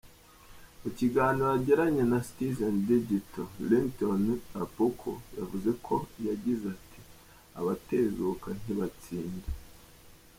Mu kiganiro yagiranye na Citizen Digital, Ringtone Apoko yavuze ko yagize ati “Abatezuka ntibatsinda.